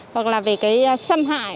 hoặc là về cái xâm hại